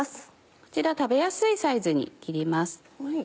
こちら食べやすいサイズに切ります。